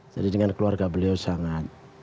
jadi dengan keluarga beliau sangat